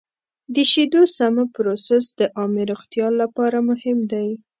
د شیدو سمه پروسس د عامې روغتیا لپاره مهم دی.